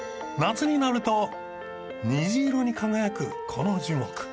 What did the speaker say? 夏になると虹色に輝くこの樹木。